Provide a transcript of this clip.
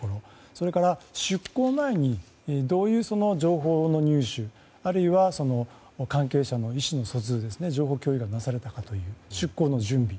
それから出航前にどういう情報の入手あるいは関係者の意思の疎通情報共有がなされたかという出航の準備。